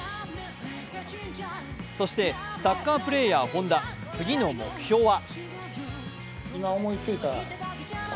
そしてサッカープレーヤー・本田、次の目標は？